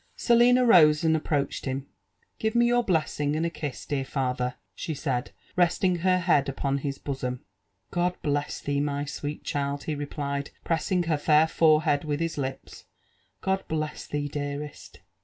Selina rose and approached him. " Give me your blessing and a; kiss, dear father I" she said, resting her head upon his bosom. "God bless thee, my sweet child I" he replied, pressing her fair forehead with his lips, —" God bless thee, dearest!"